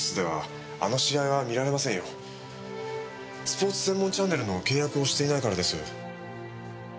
スポーツ専門チャンネルの契約をしていないからです。